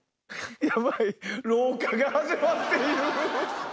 やばい、老化が始まっている。